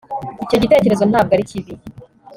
icyo gitekerezo ntabwo ari kibi